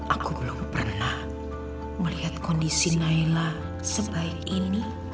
aku belum pernah melihat kondisi naila sebaik ini